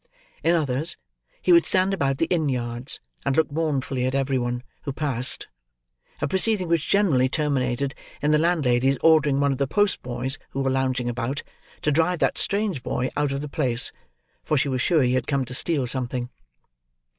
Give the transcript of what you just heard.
In others, he would stand about the inn yards, and look mournfully at every one who passed: a proceeding which generally terminated in the landlady's ordering one of the post boys who were lounging about, to drive that strange boy out of the place, for she was sure he had come to steal something.